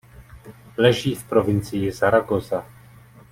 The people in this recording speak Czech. Leží v provincii Zaragoza.